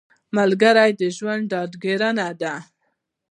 ملګری د ژوند ډاډګیرنه ده